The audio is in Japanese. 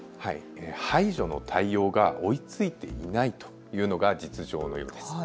排除の対応が追いついていないというのが実情のようです。